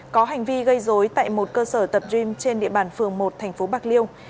có hành vi gây dối tại một cơ sở tập gym trên địa bàn phường một tp bạc liêu